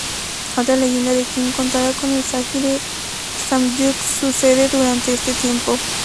Otra leyenda de Kim contada en el sagi de Samguk sucede durante este tiempo.